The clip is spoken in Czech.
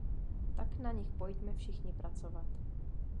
Tak na nich pojďme všichni pracovat.